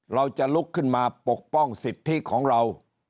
เราจะลุกขึ้นมาปกป้องสิทธิของเรา